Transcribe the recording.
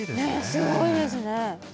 すごいですね。